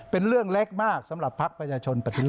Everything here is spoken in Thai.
เป็นเรื่องเล็กมากสำหรับภักดิ์ประชาชนปฏิรูป